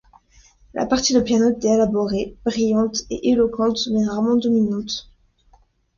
La partie de piano est élaborée, brillante et éloquente, mais rarement dominante.